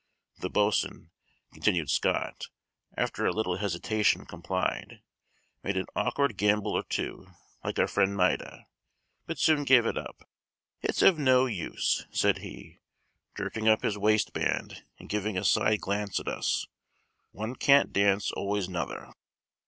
The boatswain, continued Scott, after a little hesitation complied, made an awkward gambol or two, like our friend Maida, but soon gave it up. "It's of no use," said he, jerking up his waistband and giving a side glance at us, "one can't dance always nouther."